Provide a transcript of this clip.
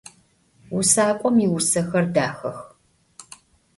Vusak'om yiusexer daxex.